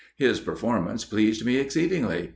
His performance pleased me exceedingly.